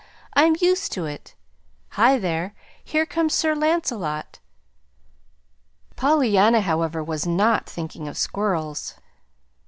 I'm used to it. Hi, there! here comes Sir Lancelot." Pollyanna, however, was not thinking of squirrels.